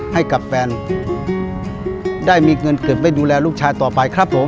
ให้กับแฟนได้มีเงินเก็บไว้ดูแลลูกชายต่อไปครับผม